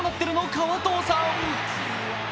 川藤さん。